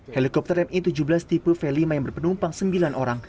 helikopter mi tujuh belas tipe v lima yang berpenumpang sembilan orang